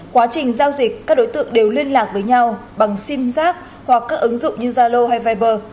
quá trình giao dịch các đối tượng đều liên lạc với nhau bằng sim giác hoặc các ứng dụng như zalo hay viber